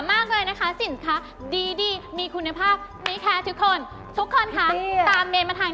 ไม่งั้นจะเกลียบเหงาอย่างนี้ตลอดเลยลูกค้าไม่เข้าเลย